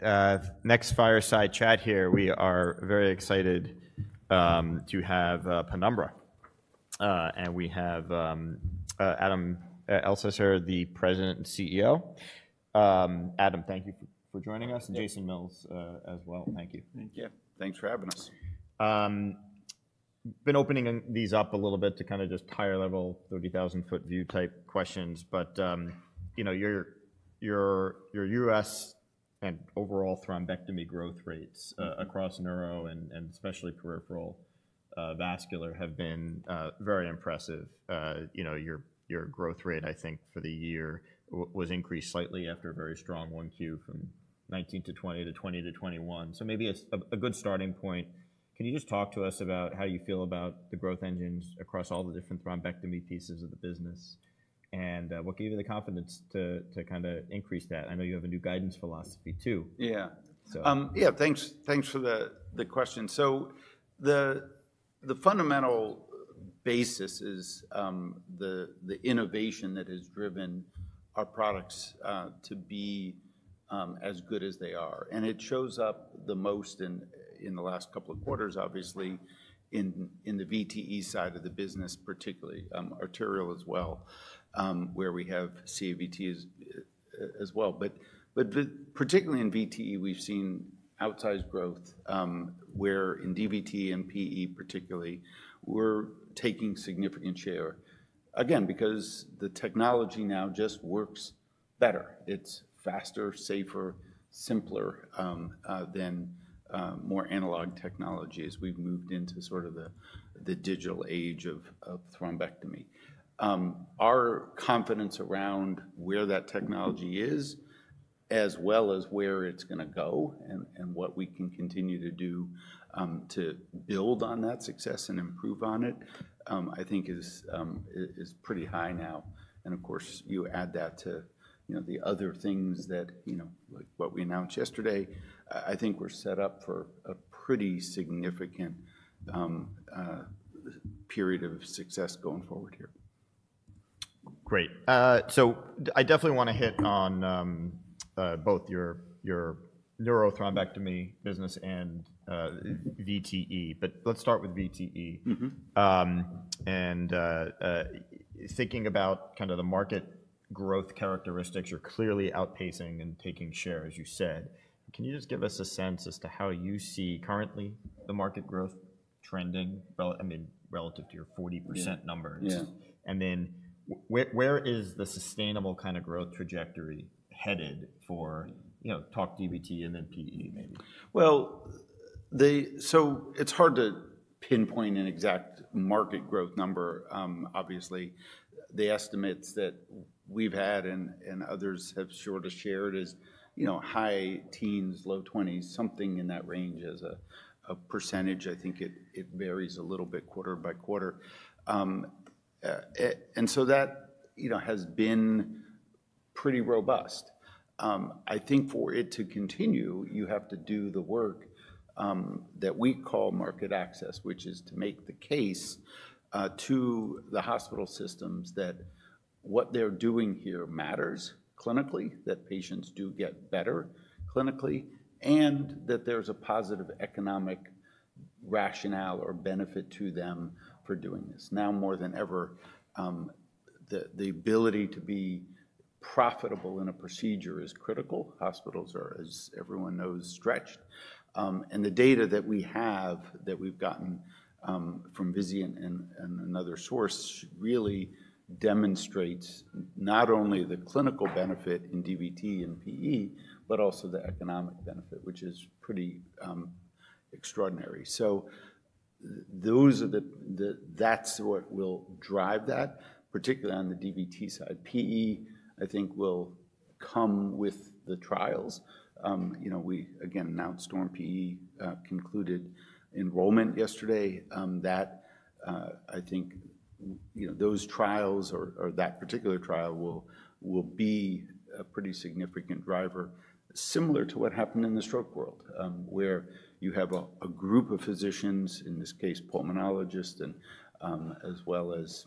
Next fireside chat here. We are very excited to have Penumbra and we have Adam Elsesser, the President and CEO. Adam, thank you for joining us. And Jason Mills as well. Thank you. Thank you. Thanks for having us. Been opening these up a little bit to kind of just higher level, 30,000 ft view type questions. But you know, your [URS] and overall thrombectomy growth rates across neuro and especially peripheral vascular have been very impressive. Your growth rate I think for the year was increased slightly after a very strong 1Q from 19 to 20 to 20 to 21. So maybe a good starting point. Can you just talk to us about how you feel about the growth engines across all the different thrombectomy pieces of the business and what gave you the confidence to kind of increase that? I know you have a new guidance philosophy too. Yeah, yeah, thanks for the question. The fundamental basis is the innovation that has driven our products to be as good as they are. It shows up the most in the last couple of quarters, obviously in the VTE side of the business, particularly arterial as well, where we have CAVT as well. Particularly in VTE, we've seen outsized growth where in DVT and PE particularly we're taking significant share again because the technology now just works better. It's faster, safer, simpler than more analog technology. As we've moved into sort of the digital age of thrombectomy, our confidence around where that technology is as well as where it's going to go and what we can continue to do to build on that success and improve on it, I think is pretty high now. Of course you add that to the other things that what we announced yesterday, I think we're set up for a pretty significant period of success going forward here. Great. I definitely want to hit on both your neurothrombectomy business and VTE. I want to start with VTE and thinking about kind of the market growth characteristics. You're clearly outpacing and taking share, as you said. Can you just give us a sense as to how you see currently the market growth trending? I mean, relative to your 40% numbers and then where is the sustainable kind of growth trajectory headed for, like, DVT and then PE maybe? It is hard to pinpoint an exact market growth number. Obviously the estimates that we've had and others have sort of shared is, you know, high-teens, low 20s, something in that range as a percentage. I think it varies a little bit quarter by quarter. That has been pretty robust. I think for it to continue, you have to do the work that we call market access, which is to make the case to the hospital systems that what they're doing here matters clinically, that patients do get better clinically, and that there's a positive economic rationale or benefit to them for doing this. Now more than ever, the ability to be profitable in a procedure is critical. Hospitals are, as everyone knows, stretched. The data that we have, that we've gotten from Vizient and another source, really demonstrates not only the clinical benefit in DVT and PE, but also the economic benefit, which is pretty extraordinary. Those are the, that's what will drive that, particularly on the DVT side. PE, I think, will come with the trials. You know, we again announced STORM-PE concluded enrollment yesterday. I think, you know, those trials or that particular trial will be a pretty significant driver, similar to what happened in the stroke world, where you have a group of physicians, in this case pulmonologists, as well as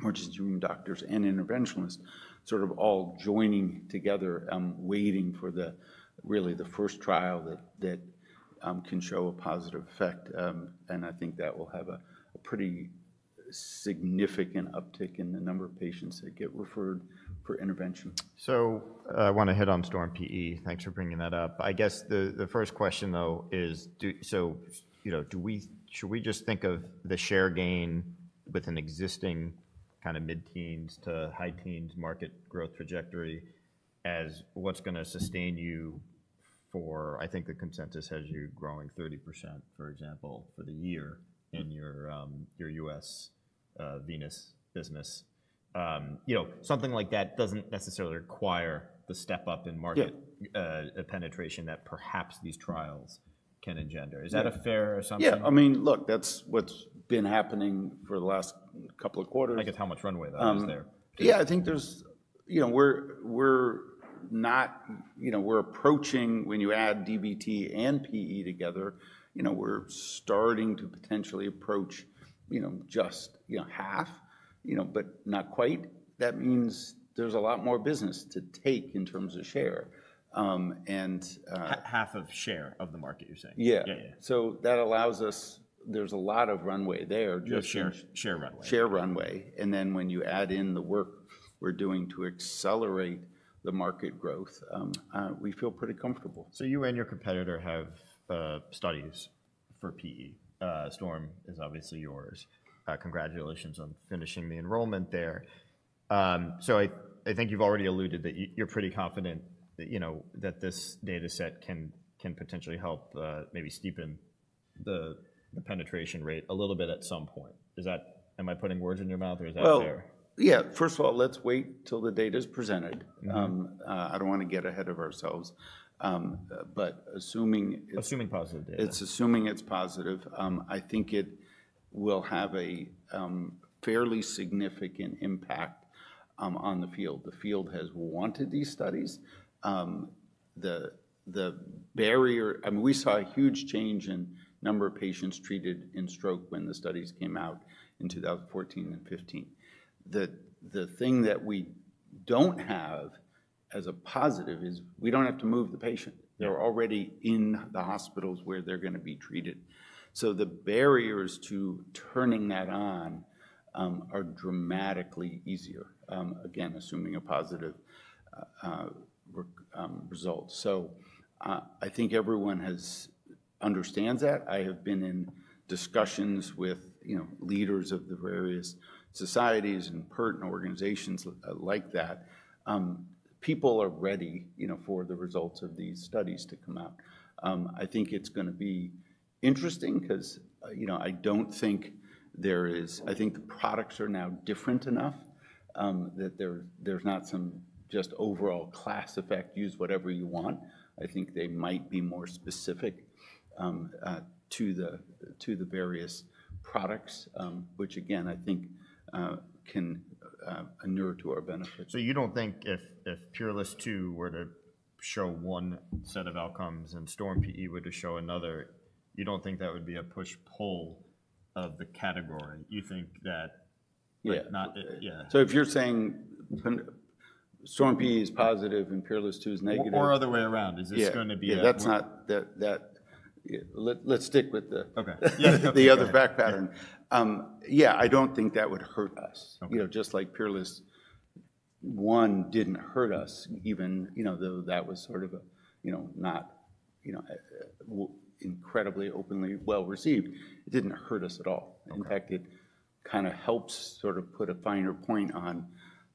emergency room doctors and interventionalists, sort of all joining together, waiting for the, really the first trial that can show a positive effect. I think that will have a pretty significant uptick in the number of patients that get referred for intervention. I want to hit on STORM-PE. Thanks for bringing that up. I guess the first question though is, should we just think of the share gain with an existing kind of mid-teens to high-teens market growth trajectory as what's going to sustain you for. I think the consensus has you growing 30%, for example, for the year in your URS venous business. Something like that doesn't necessarily require the step-up in market penetration that perhaps these trials can engender. Is that a fair assumption? I mean, look, that's what's been happening for the last couple of quarters, I guess. How much runway, though, is there? Yeah, I think there's, you know, we're not, you know, we're approaching. When you add DVT and PE together, you know, we're starting to potentially approach, you know, just, you know, half, you know, but not quite. That means there's a lot more business to take in terms of share and. Half of share of the market, you're saying. Yeah, yeah. That allows us. There's a lot of runway there, share runway. Then when you add in the work we're doing to accelerate the market growth, we feel pretty comfortable. You and your competitor have studies for PE, STORM is obviously yours. Congratulations on finishing the enrollment there. I think you've already alluded that you're pretty confident that this data set can potentially help maybe steepen the penetration rate a little bit at some point. Is that, am I putting words in your mouth or is that fair? Yeah. First of all, let's wait till the data is presented. I don't want to get ahead of ourselves, but assuming it's. Assuming positive data. it's. Assuming it's positive, I think it will have a fairly significant impact on the field. The field has wanted these studies. The barrier. We saw a huge change in number of patients treated in stroke when the studies came out in 2014 and 2015. The thing that we don't have as a positive is we don't have to move the patient. They're already in the hospitals where they're going to be treated. The barriers to turning that on are dramatically easier, again assuming a positive result. I think everyone understands that. I have been in discussions with leaders of the various societies and pertinent organizations like that. People are ready for the results of these studies to come out. I think it's going to be interesting because I don't think there is. I think the products are now different enough that there's not some just overall class effect. Use whatever you want. I think they might be more specific to the, to the various products which again, I think can inure to our benefit. You don't think if Peerless two were to show one set of outcomes and STORM-PE were to show another, you don't think that would be a push-pull of the category? You think that? Yeah. So if you're saying STORM-PE is positive and PEERLESS II is negative or. Other way around, is this going to be? That's not that. Let's stick with the other back pattern. Yeah. I don't think that would hurt us. You know, just like PEERLESS I didn't hurt us even, you know, though that was sort of, you know, not, you know, incredibly openly well received. It didn't hurt us at all. In fact, it kind of helps sort of put a finer point on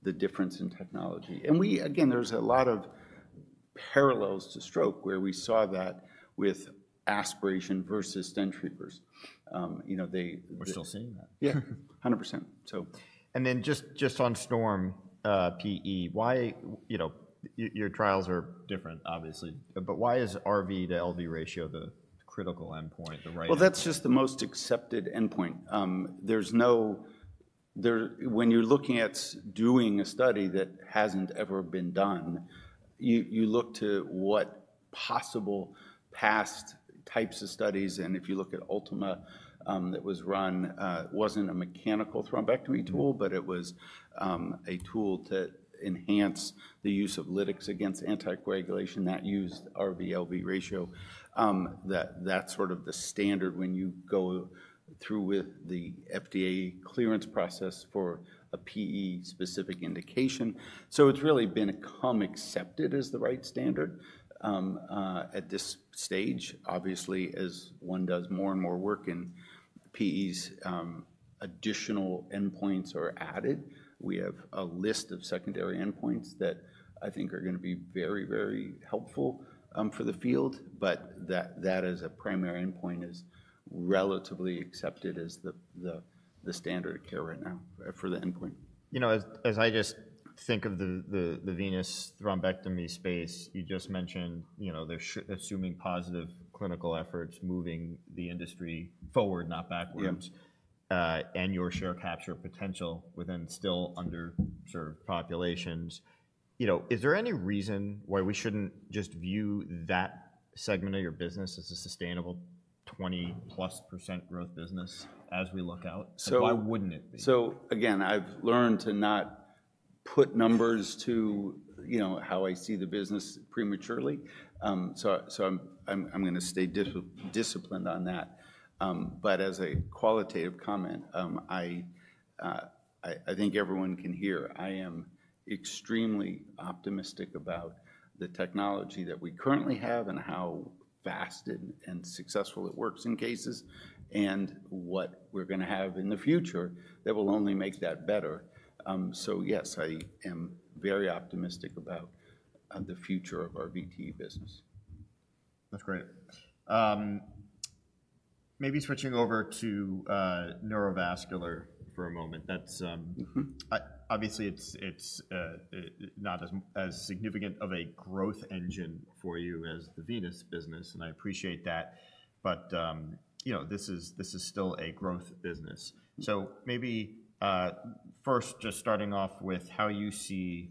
the difference in technology. And we. Again, there's a lot of parallels to stroke where we saw that with aspiration versus stent retriever, you know, they. We're still seeing that. Yeah, 100% so. Just on STORM-PE, why, you know, your trials are different, obviously, but why is RV/LV ratio the critical endpoint? Right? That's just the most accepted endpoint. There's no there. When you're looking at doing a study that hasn't ever been done, you look to what possible past types of studies, and if you look at ULTIMA that was run, it wasn't a mechanical thrombectomy tool, but it was a tool to enhance the use of lytics against anticoagulation that used RV/LV ratio. That's sort of the standard when you go through with the FDA clearance process for a PE-specific indication. It's really become accepted as the right standard at this stage. Obviously, as one does more and more work in PEs, additional endpoints are added. We have a list of secondary endpoints that I think are going to be very, very helpful for the field. That as a primary endpoint is relatively accepted as the standard of care. Right now for the endpoint. You know, as I just think of the venous thrombectomy space you just mentioned, you know, they're assuming positive clinical efforts moving the industry forward, not backwards, and your share capture potential within still underserved populations. You know, is there any reason why we shouldn't just view that segment of your business as a sustainable 20+% growth business as we look out. Why wouldn't it be? Again, I've learned to not put numbers to, you know, how I see the business prematurely. I'm going to stay disciplined on that. As a qualitative comment, I think everyone can hear I am extremely optimistic about the technology that we currently have and how fast and successful it works in cases and what we're going to have in the future that will only make that better. Yes, I am very optimistic about the future of our VT business. That's great. Maybe switching over to neurovascular for a moment. Obviously it's not as significant of a growth engine for you as the venous business and I appreciate that. This is still a growth business. Maybe first just starting off with how you see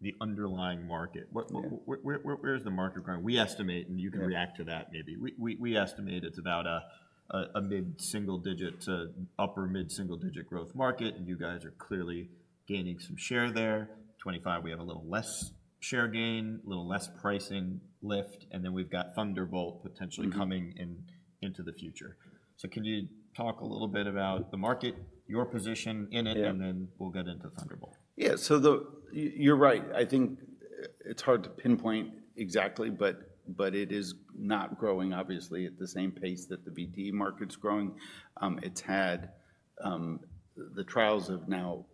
the underlying market, where's the market growing? We estimate. You can react to that. Maybe we estimate it's about a mid-single digit to upper mid single-digit growth market and you guys are clearly gaining some share there. In 2025 we have a little less share gain, a little less pricing lift and then we've got Thunderbolt potentially coming into the future. Can you talk a little bit about the market, your position in it and then we'll get into Thunderbolt. Yeah, so you're right. I think it's hard to pinpoint exactly, but it is not growing obviously at the same pace that the VT market's growing. It's had the trials have now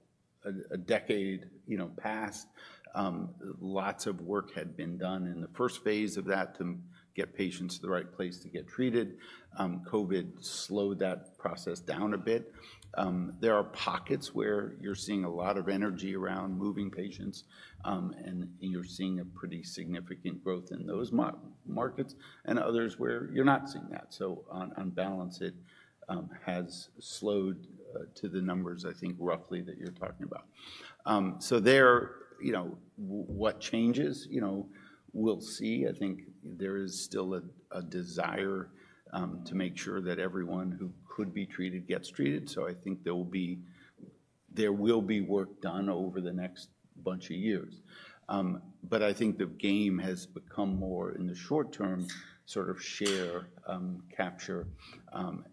a decade past. Lots of work had been done in the first phase of that to get patients to the right place to get treated. Covid slowed that process down a bit. There are pockets where you're seeing a lot of energy around moving patients, and you're seeing a pretty significant growth in those markets and others where you're not seeing that. On balance, it has slowed to the numbers, I think roughly, that you're talking about. There, you know, what changes, you know, we'll see. I think there is still a desire to make sure that everyone who could be treated gets treated. I think there will be. There will be work done over the next bunch of years. I think the game has become more in the short term, sort of share capture.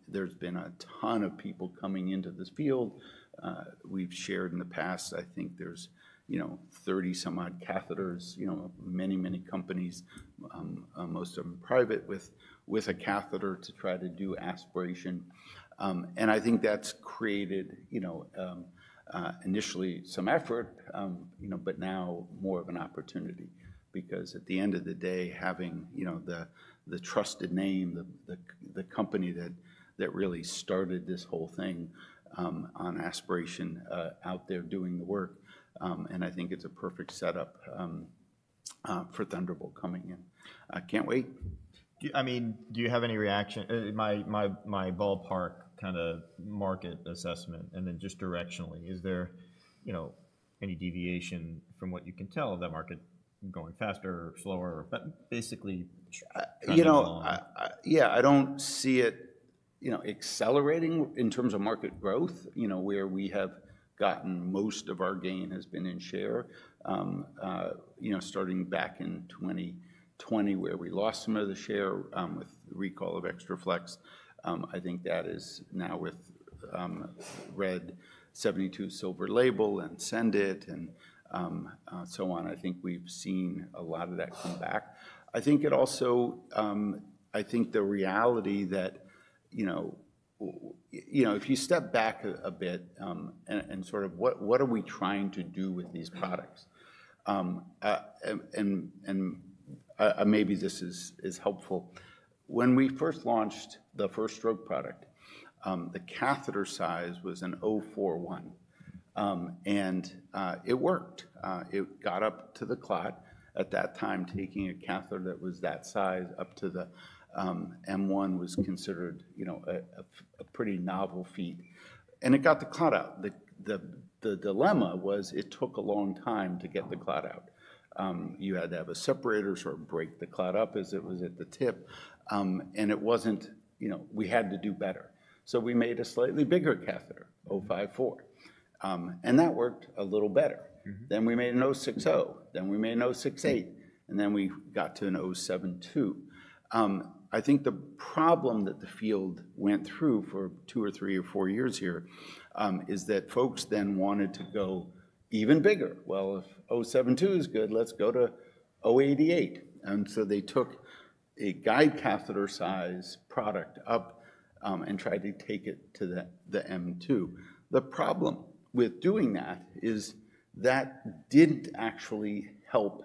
There's been a ton of people coming into this field. We've shared in the past. I think there's 30 some odd catheters, many, many companies, most of them private with a catheter to try to do aspiration. I think that's created, you know, initially some effort, you know, but now more of an opportunity because at the end of the day, having, you know, the trusted name, the company that really started this whole thing on aspiration out there doing the work, and I think it's a perfect setup for Thunderbolt coming in. I can't wait. I mean, do you have any reaction, my ballpark kind of market assessment? And then just directionally, is there, you know, any deviation from what you can tell that market going faster or slower? Basically. you know, yeah, I don't see it, you know, accelerating in terms of market growth. You know, where we have gotten most of our gain has been in share, you know, starting back in 2020, where we lost some of the share with recall of Xtra Flex. I think that is now with RED 72 SILVER LABEL and SENDit and so on. I think we've seen a lot of that come back. I think it also, I think the reality that, you know, you know, if you step back a bit and sort of what are we trying to do with these products and maybe this is helpful. When we first launched the first stroke product, the catheter size was an 041 and it worked. It got up to the clot. At that time, taking a catheter that was that size up to the M1 was considered a pretty novel feat and it got the clot out. The dilemma was it took a long time to get the clot out. You had to have a separator sort of break the clot up as it was at the tip, and it was not, you know, we had to do better. So we made a slightly bigger catheter, 054, and that worked a little better. Then we made an 060, then we made an 068, and then we got to an 072. I think the problem that the field went through for two or three or four years here is that folks then wanted to go even bigger. If 072 is good, let's go to 088. They took a guide catheter size product up and tried to take it to the M2. The problem with doing that is that did not actually help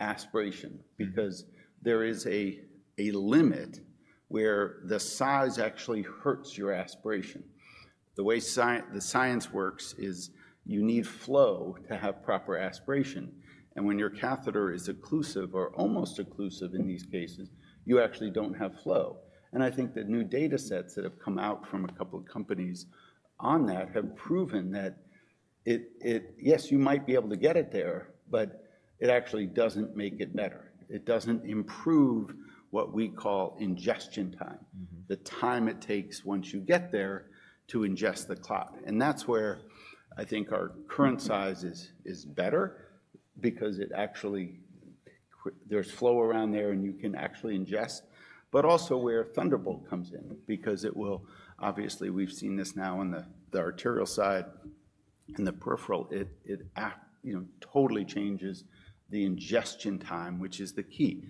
aspiration because there is a limit where the size actually hurts your aspiration. The way the science works is you need flow to have proper aspiration. When your catheter is occlusive or almost occlusive in these cases, you actually do not have flow. I think that new data sets that have come out from a couple of companies on that have proven that, yes, you might be able to get it there, but it actually does not make it better. It does not improve what we call ingestion time, the time it takes once you get there to ingest the clot. That's where I think our current size is better, because it actually, there's flow around there and you can actually ingest, but also where Thunderbolt comes in, because it will. Obviously we've seen this now on the arterial side and the peripheral. It totally changes the ingestion time, which is the key.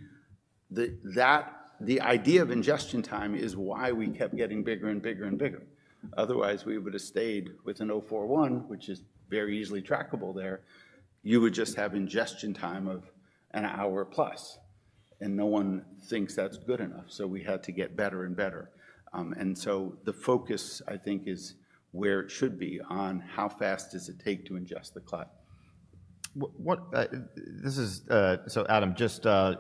The idea of ingestion time is why we kept getting bigger and bigger and bigger. Otherwise we would have stayed with an 041, which is very easily trackable there. You would just have ingestion time of an hour plus. No one thinks that's good enough. We had to get better and better. The focus, I think, is where it should be on how fast does it take to ingest the clot. This is so, Adam, just as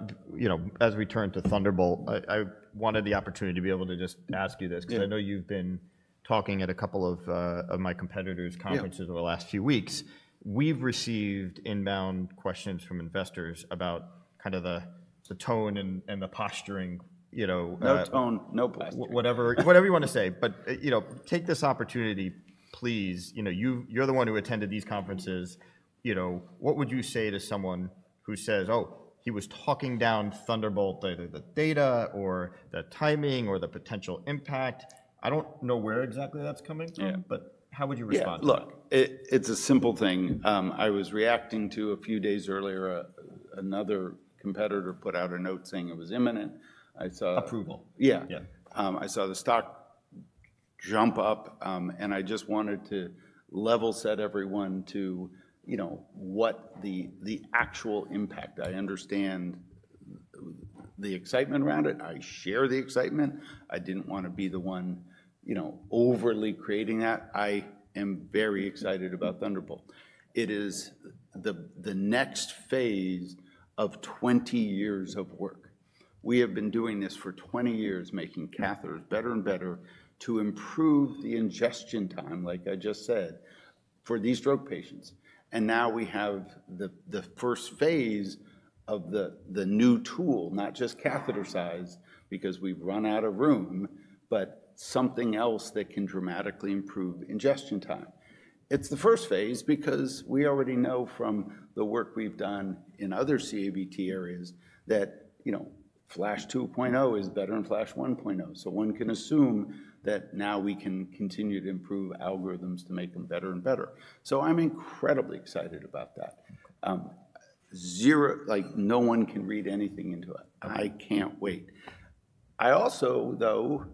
we turn to Thunderbolt, I wanted the opportunity to be able to just ask you this, because I know you've been talking at a couple of my competitors conferences over the last few weeks. We've received inbound questions from investors about the tone and the posturing. No tone, no posturing. Whatever you say. To say, but take this opportunity, please. You know, you're the one who attended these conferences. You know, what would you say to someone who says, oh, he was talking down Thunderbolt. Either the data or the timing or the potential impact. I don't know where exactly that's coming from, but how would you respond? Look, it's a simple thing I was reacting to. A few days earlier, another competitor put out a note saying it was imminent. I saw approval. Yeah, I saw the stock jump up, and I just wanted to level set everyone to, you know, what the actual impact. I understand the excitement around it. I share the excitement. I didn't want to be the one, you know, overly creating that. I am very excited about Thunderbolt. It is the next phase of 20 years of work. We have been doing this for 20 years, making catheters better and better to improve the ingestion time, like I just said, for these stroke patients. Now we have the first phase of the new tool, not just catheter size because we've run out of room, but something else that can dramatically improve ingestion time. It's the first phase because we already know from the work we've done in other CAVT areas that Flash 2.0 is better than Flash 1.0. One can assume that now we can continue to improve algorithms to make them better and better. I'm incredibly excited about that. No one can read anything into it. I can't wait. I also, though,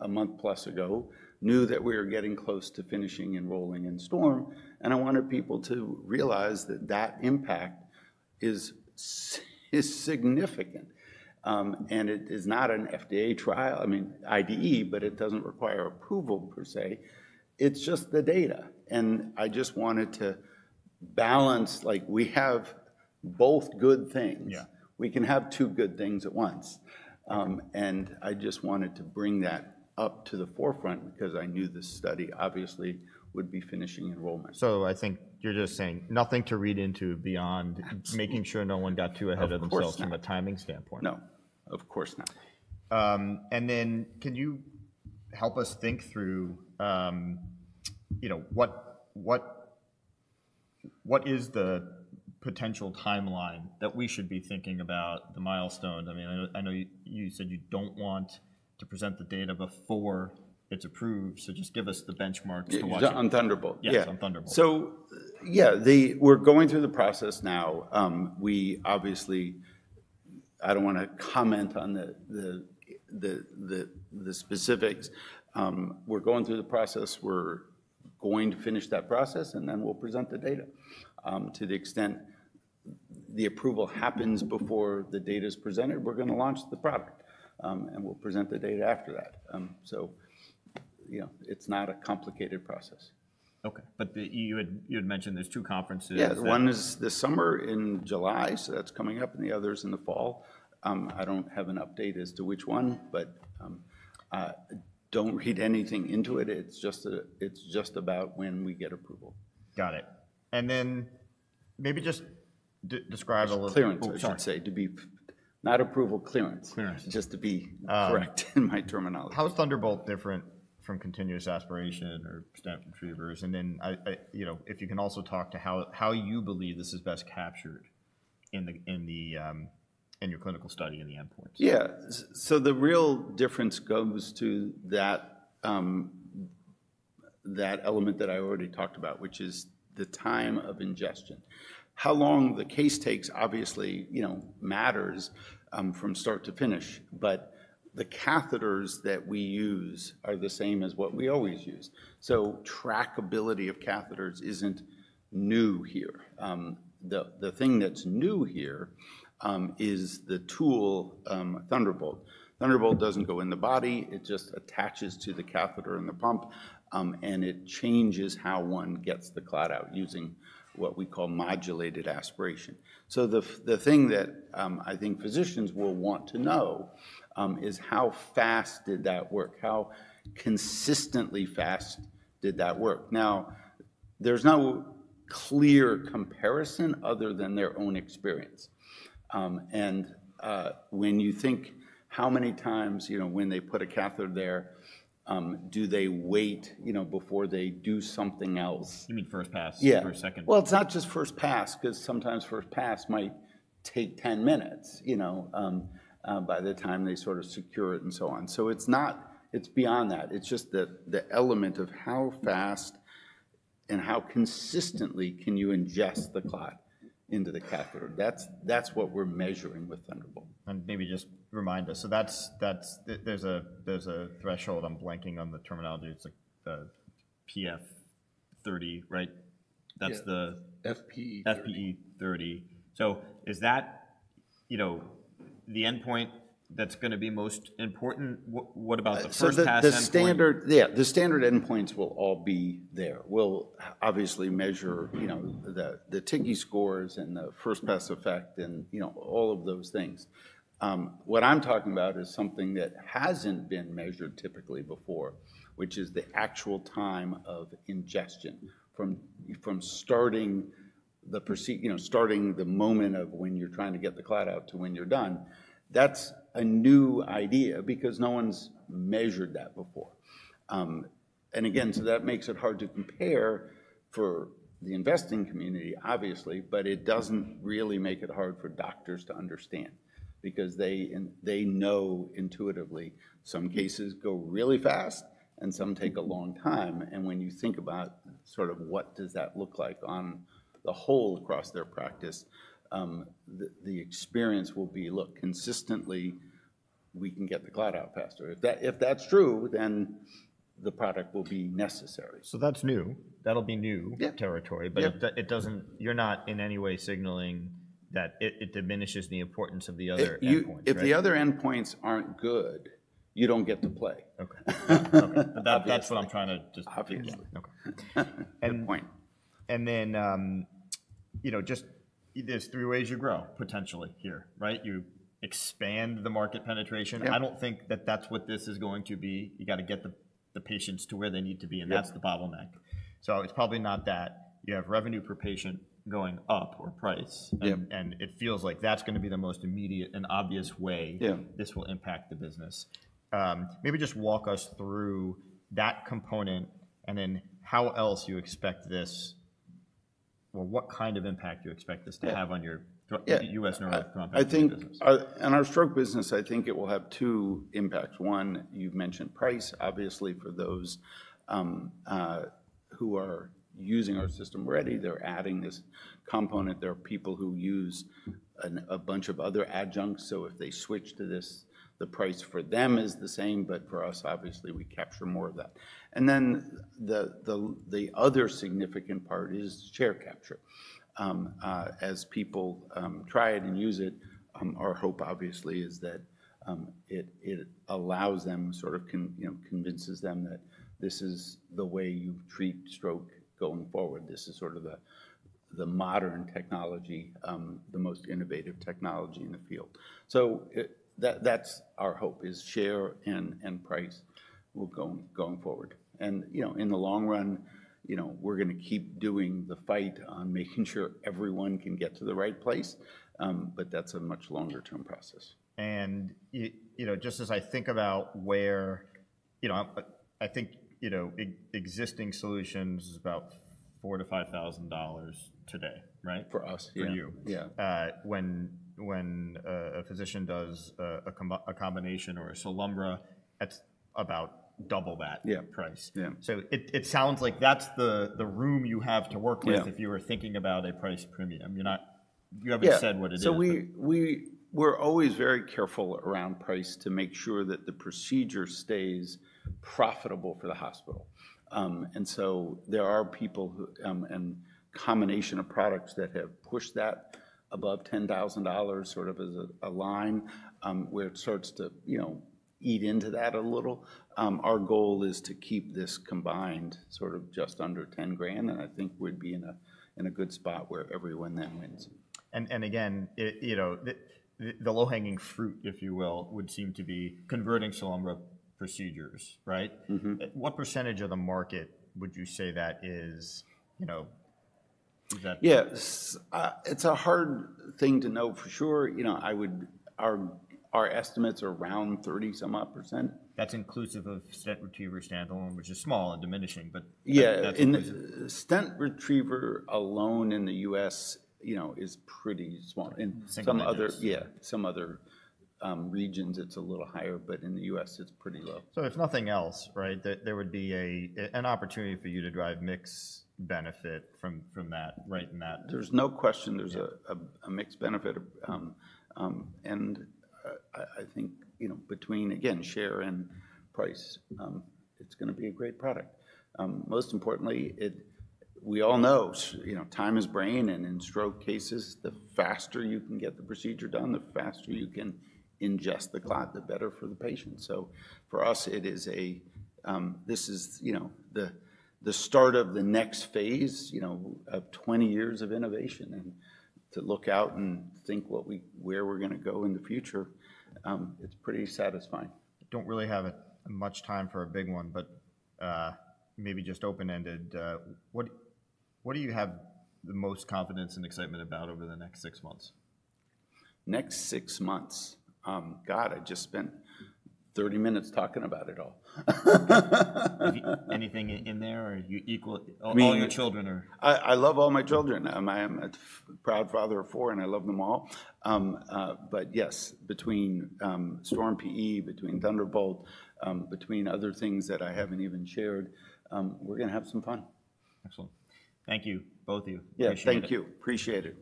a month plus ago, knew that we were getting close to finishing enrolling in STORM, and I wanted people to realize that that impact is significant. It is not an FDA trial. I mean, IDE, but it doesn't require approval per se, it's just the data. I just wanted to balance like we have both good things. We can have two good things at once. I just wanted to bring that up to the forefront because I knew the study obviously would be finishing enrollment. I think you're just saying nothing to read into beyond making sure no one got too ahead of themselves from a timing standpoint. No, of course not. Can you help us think through what is the potential timeline that we should be thinking about the milestones? I mean, I know you said you don't want to present the data before it's approved, so just give us the benchmarks to watch it. On Thunderbolt? Yes, on Thunderbolt. Yeah, we're going through the process now. We obviously, I don't want to comment on the specifics. We're going through the process. We're going to finish that process and then we'll present the data. To the extent the approval happens before the data is presented, we're going to launch the product and we'll present the data after that. You know, it's not a complicated process. Okay. You had mentioned there's two conferences. Yeah. One is this summer in July, so that's coming up. The other is in the fall. I don't have an update as to which one, but don't read anything into it. It's just about when we get approval. Got it. Maybe just describe a little clearance. Not approval clearance, just to be correct. In my terminology, how's Thunderbolt different from continuous aspiration or stent retrievers? And then if you can, also talk to how you believe this is best captured in your clinical study in the endpoint. Yeah. The real difference goes to that element that I already talked about, which is the time of ingestion, how long the case takes. Obviously matters from start to finish, but the catheters that we use are the same as what we always use. Trackability of catheters isn't new here. The thing that's new here is the tool, Thunderbolt. Thunderbolt doesn't go in the body. It just attaches to the catheter and the pump, and it changes how one gets the clot out using what we call modulated aspiration. The thing that I think physicians will want to know is how fast did that work? How consistently fast did that work? Now, there's no clear comparison other than their own experience. When you think how many times when they put a catheter there, do they wait before they do something else? You mean first-pass, first, second? It's not just first-pass, because sometimes first pass might take 10 minutes by the time they sort of secure it, and so on. It's beyond that. It's just the element of how fast and how consistently can you ingest the clot into the catheter? That's what we're measuring with Thunderbolt. Maybe just remind us. There's a threshold. I'm blanking on the terminology. It's like PF 30. Right. That's the FPE. FPE 30. Is that, you know, the endpoint that's going to be most important? What about the first-pass effect? The standard endpoints will all be there. We'll obviously measure, you know, the mTICI scores and the first-pass effect and, you know, all of those things. What I'm talking about is something that hasn't been measured typically before, which is the actual time of ingestion, from starting, you know, starting the moment of when you're trying to get the clot out to when you're done. That's a new idea because no one's measured that before again. That makes it hard to compare for the investing community, obviously. It doesn't really make it hard for doctors to understand because they know intuitively some cases go really fast and some take a long time. When you think about sort of what does that look like on the whole across their practice, the experience will be, look, consistently, we can get the clot out faster. If that's true, then the product will be necessary. That's new, that'll be new territory. You're not in any way signaling that it diminishes the importance of the other endpoints. If the other endpoints aren't good, you don't get to play. Okay, that's what I'm trying to just point and then, you know, just there's three ways you grow potentially here, right? You expand the market penetration. I don't think that that's what this is going to be. You got to get the patients to where they need to be and that's the bottleneck. So it's probably not that you have revenue per patient going up or price. And it feels like that's going to be the most immediate and obvious way this will impact the business. Maybe just walk us through that component and then how else you expect this or what kind of impact you expect this to have on your URS neurothrombo business. In our stroke business, I think it will have two impacts. One, you've mentioned price. Obviously for those who are using our system already, they're adding this component. There are people who use a bunch of other adjuncts. If they switch to this, the price for them is the same. For us, obviously we capture more of that. The other significant part is share capture as people try it and use it. Our hope obviously is that it allows them, sort of convinces them that this is the way you treat stroke going forward. This is sort of the modern technology, the most innovative technology in the field. That's our hope, is share and price will go going forward. You know, in the long run, you know, we're going to keep doing the fight on making sure everyone can get to the right place. That is a much longer term process. You know, just as I think about where, you know, I think, you know, existing solutions is about $4,000-$5,000 today, right? For us, for you, when a physician does a combination or a Penumbra, that's about double that price. It sounds like that's the room you have to work with. If you are thinking about a price premium, you haven't said what it is. We're always very careful around price to make sure that the procedure stays profitable for the hospital. There are people and combination of products that have pushed that above $10,000, sort of as a line where it starts to, you know, eat into that a little. Our goal is to keep this combined sort of just under $10,000 and I think we'd be in a good spot where everyone then wins. You know, the low hanging fruit, if you will, would seem to be converting Penumbra procedures. Right. What percentage of the market would you say that is? You know. Yes, it's a hard thing to know for sure. You know I would. Our estimates are around 30-some-odd percent. That's inclusive of stent retriever standalone which is small and diminishing. Yeah, stent retriever alone in the U.S., you know, is pretty small. Regions, it's a little higher, but in the U.S. it's pretty low. If nothing else, right there would be an opportunity for you to drive mix benefit from that. Right. In that there's no question there's a mixed benefit and I think between again share and price, it's going to be a great product. Most importantly, we all know time is brain and in stroke cases the faster you can get the procedure done, the faster you can ingest the clot, the better for the patient. For us it is, you know, the start of the next phase, you know, of 20 years of innovation and to look out and think what we, where we're going to go in the future, it's pretty satisfying. Don't really have much time for a big one but maybe just open ended. What do you have the most confidence and excitement about over the next six months? Next six months? God, I just spent 30 minutes talking about it all. Anything in there or? You equal all your children, or? I love all my children. I am a proud father of four and I love them all. Yes, between Storm PE, between Thunderbolt, between other things that I haven't even shared, we're going to have some fun. Excellent. Thank you, both of you, thank you, appreciate it.